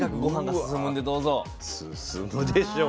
進むでしょう